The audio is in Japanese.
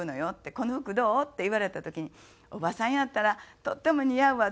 「この服どう？」って言われた時に「おばさんやったらとっても似合うわ」